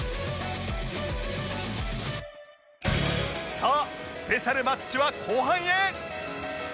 さあスペシャルマッチは後半へ